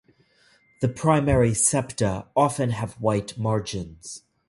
The primary septa often have white margins.